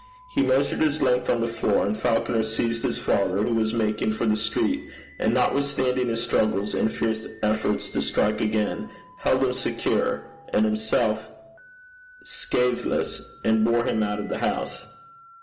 He measured his length on the floor, and Falconer seized his father, who was making for the street, and notwithstanding his struggles and fierce efforts to strike again, held him secure and himself scathless, and bore him out of the house.